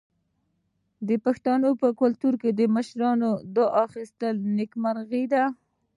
د پښتنو په کلتور کې د مشرانو دعا اخیستل نیکمرغي ده.